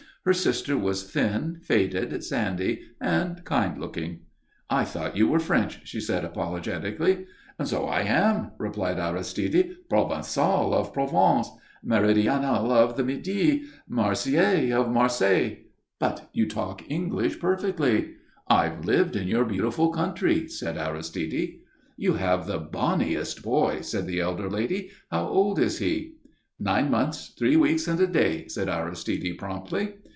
Her sister was thin, faded, sandy, and kind looking. "I thought you were French," she said, apologetically. "So I am," replied Aristide. "Provençal of Provence, Méridional of the Midi, Marseillais of Marseilles." "But you talk English perfectly." "I've lived in your beautiful country," said Aristide. "You have the bonniest boy," said the elder lady. "How old is he?" "Nine months, three weeks and a day," said Aristide, promptly.